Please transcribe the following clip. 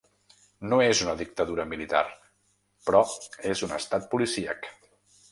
No és una dictadura militar, però és un estat policíac.